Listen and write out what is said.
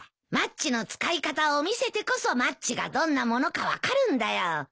マッチの使い方を見せてこそマッチがどんなものか分かるんだよ。